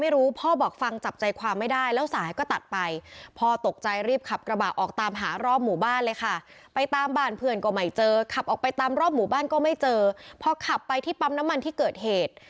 รอบหมู่บ้านก็ไม่เจอพอขับไปที่ปั๊มน้ำมันที่เกิดเหตุ